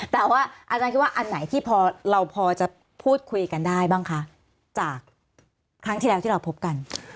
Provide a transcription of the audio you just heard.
แต่อาจารย์คิดว่าอันไหนที่เราพอพูดคุยกันได้บ้างคะ